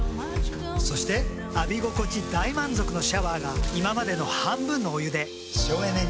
そして浴び心地大満足のシャワーが今までの半分のお湯で省エネに。